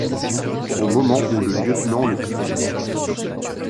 au moment où le lieutenant le quitte.